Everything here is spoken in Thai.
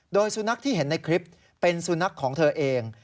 โดยสุนัขที่เห็นในคลิปเป็นสุนัขของเธอเอง